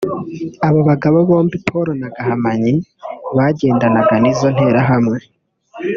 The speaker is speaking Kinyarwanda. Abo bagabo bombi Paul na Gahamanyi bagendanaga n’izo nterahamwe